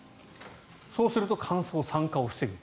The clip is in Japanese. そうすると乾燥・酸化を防ぐ。